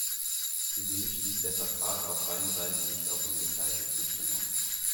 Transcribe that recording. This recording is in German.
Zudem stieß der Vertrag auf beiden Seiten nicht auf ungeteilte Zustimmung.